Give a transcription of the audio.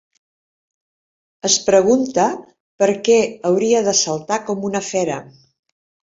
Es pregunta per què hauria de saltar com una fera.